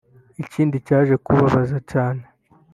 Ikindi cyaje kubabaza cyane